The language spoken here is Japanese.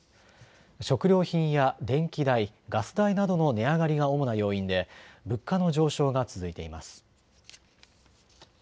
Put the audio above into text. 食料品や電気代、ガス代などの値上がりが主な要因で物価の上昇が続いています。